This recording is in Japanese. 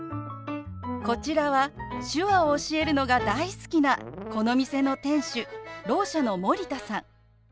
こちらは手話を教えるのが大好きなこの店の店主ろう者の森田さん。